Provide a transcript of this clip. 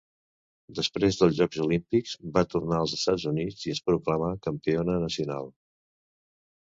Després dels Jocs Olímpics va tornar als Estats Units i es proclamà campiona nacional.